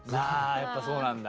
やっぱそうなんだ。